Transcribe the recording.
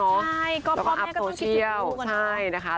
ใช่ก็พ่อแม่ก็ต้องคิดถึงลูกก่อนค่ะ